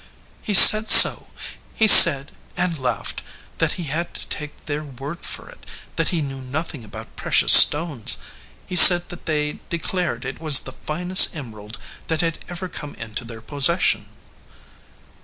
"He said so. He said, and laughed, that he had to take their word for it; that he knew nothing about precious stones. He said that they declared it was the finest emerald that had ever come into their possession."